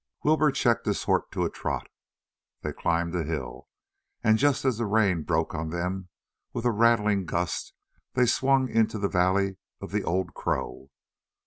Wilbur checked his horse to a trot; they climbed a hill, and just as the rain broke on them with a rattling gust they swung into the valley of the Old Crow.